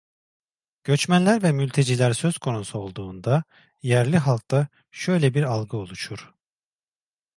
Göçmenler ve mülteciler söz konusu olduğunda yerli halkta şöyle bir algı oluşur.